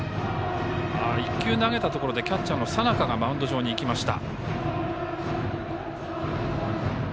１球、投げたところでキャッチャーの佐仲がマウンド上に行きました。